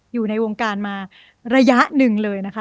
อยู่ในวงการมาระยะหนึ่งเลยนะคะ